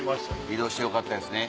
移動してよかったですね。